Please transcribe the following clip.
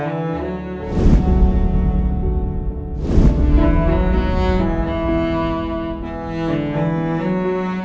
masalah aku apa mas